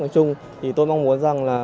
nói chung thì tôi mong muốn rằng là